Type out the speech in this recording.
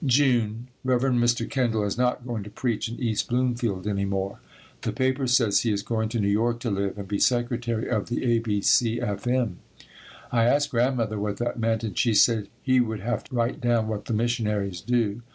June. Rev. Mr. Kendall is not going to preach in East Bloomfield any more. The paper says he is going to New York to live and be Secretary of the A.B.C.F.M. I asked Grandmother what that meant, and she said he would have to write down what the missionaries do.